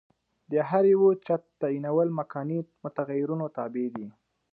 د هر یوه چت تعینول مکاني متغیرونو تابع دي.